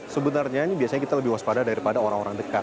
sebenarnya ini biasanya kita lebih waspada daripada orang orang dekat